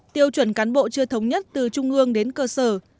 tiêu chuẩn cán bộ chưa thống nhất từ trung ương đến cơ sở